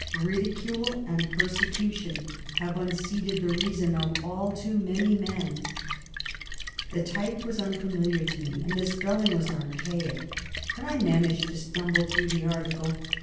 Ridicule and persecution have unseated the reason of all too many men. The type was unfamiliar to me, and the spelling was archaic, but I managed to stumble through the article.